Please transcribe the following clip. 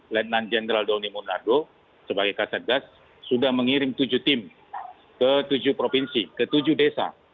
lieutenant general donny monardo sebagai kasetgas sudah mengirim tujuh tim ke tujuh provinsi ke tujuh desa